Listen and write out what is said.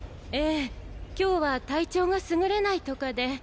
ええ今日は体調が優れないとかで。